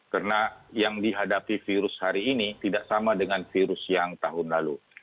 karena yang dihadapi virus hari ini tidak sama dengan virus yang tahun lalu